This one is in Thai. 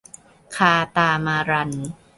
คาตามารัน